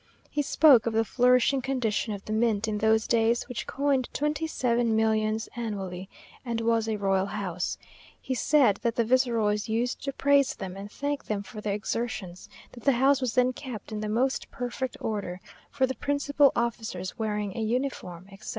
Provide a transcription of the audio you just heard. He spoke of the flourishing condition of the mint in those days, which coined twenty seven millions annually, and was a royal house. He said that the viceroys used to praise them and thank them for their exertions; that the house was then kept in the most perfect order, the principal officers wearing a uniform, etc.